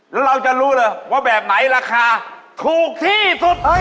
แล้วเราจะรู้เลยว่าแบบไหนราคาถูกที่สุด